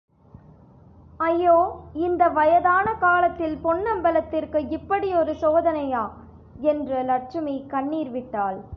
ஐயோ இந்த வயதான காலத்தில் பொன்னம்பலத்திற்கு இப்படியொரு சோதனையா? என்று லட்சுமி கண்ணீர் விட்டாள்.